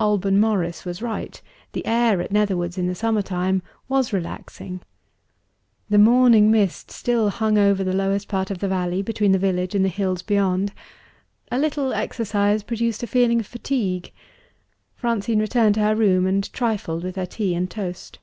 Alban Morris was right; the air at Netherwoods, in the summer time, was relaxing. The morning mist still hung over the lowest part of the valley, between the village and the hills beyond. A little exercise produced a feeling of fatigue. Francine returned to her room, and trifled with her tea and toast.